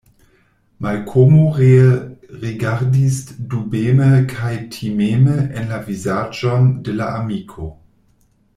Malkomo ree rigardis dubeme kaj timeme en la vizaĝon de la amiko.